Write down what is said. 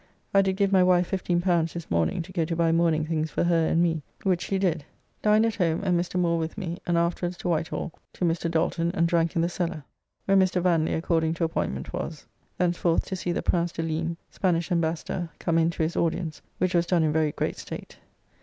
I did give my wife L15 this morning to go to buy mourning things for her and me, which she did. Dined at home and Mr. Moore with me, and afterwards to Whitehall to Mr. Dalton and drank in the Cellar, where Mr. Vanly according to appointment was. Thence forth to see the Prince de Ligne, Spanish Embassador, come in to his audience, which was done in very great state.